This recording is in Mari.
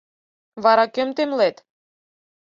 — Вара кӧм темлет?